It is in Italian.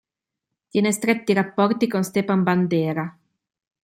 Tiene i stretti rapporti con Stepan Bandera.